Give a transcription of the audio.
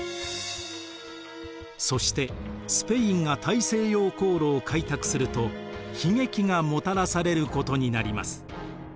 そしてスペインが大西洋航路を開拓すると悲劇がもたらされることになります。